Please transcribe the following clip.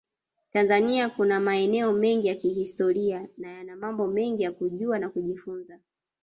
Tanzania kuna maeneo mengi ya kihistoria na yana mambo mengi ya kujua na kujifunza